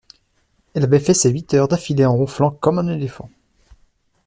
Elle avait fait ses huit heures d’affilée en ronflant comme un éléphant.